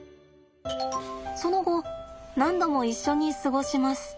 その後何度も一緒に過ごします。